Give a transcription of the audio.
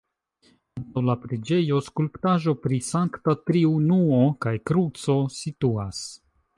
Antaŭ la preĝejo skulptaĵo pri Sankta Triunuo kaj kruco situas.